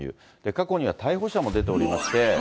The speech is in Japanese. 過去には逮捕者も出ておりまして。